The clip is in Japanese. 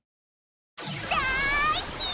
だい好き！